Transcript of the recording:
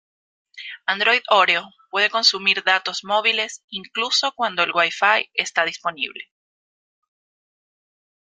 Android Oreo puede consumir datos móviles incluso cuando Wi-Fi está disponible.